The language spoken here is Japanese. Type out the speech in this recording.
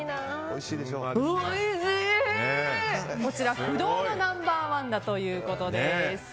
こちら、不動のナンバー１だということです。